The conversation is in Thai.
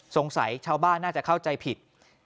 ชาวบ้านน่าจะเข้าใจผิด